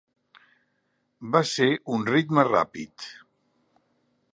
Va ser un ritme ràpid.